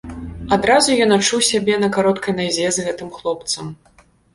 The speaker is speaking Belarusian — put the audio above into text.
Адразу ён адчуў сябе на кароткай назе з гэтым хлопцам.